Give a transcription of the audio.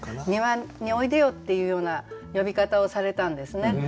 「庭においでよ」っていうような呼び方をされたんですね。